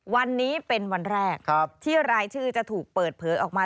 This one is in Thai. วันนี้เป็นวันแรกที่รายชื่อจะถูกเปิดเผยออกมา